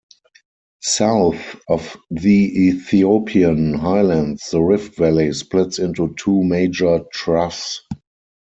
South of the Ethiopian highlands, the rift valley splits into two major troughs.